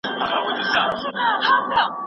ښوونه او روزنه به د ټولني د پرمختګ لامل سي.